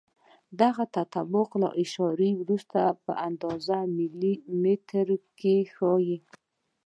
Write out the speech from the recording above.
دغه تطابق له اعشاریه وروسته اندازه په ملي مترو کې ښیي.